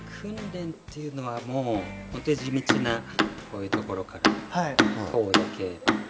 訓練っていうのはもう、地道な、こういうところから。